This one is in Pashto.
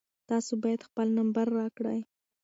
تاسو باید خپل نمبر راکړئ.